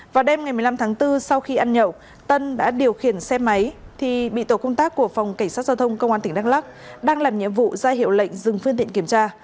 vào đêm ngày một mươi năm tháng bốn sau khi ăn nhậu tân đã điều khiển xe máy thì bị tổ công tác của phòng cảnh sát giao thông công an tỉnh đắk lắc đang làm nhiệm vụ ra hiệu lệnh dừng phương tiện kiểm tra